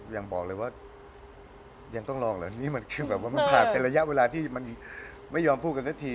อย่างบอกเลยว่ายังต้องลองแล้วนี่มันพาไปเป็นระยะเวลาที่มันไม่ยอมพูดชะที